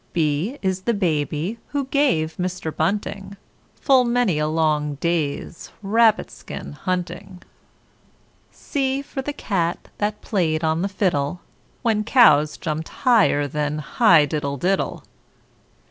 B is the BABY who gave Mr Bunting Full many a long day's rabbit skin hunting. C for the CAT that played on the fiddle, When cows jumped higher than 'Heigh Diddle Diddle!'